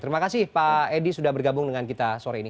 terima kasih pak edi sudah bergabung dengan kita sore ini